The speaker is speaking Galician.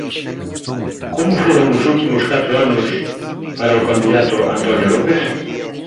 Como foron os últimos catro anos para o candidato Antonio López?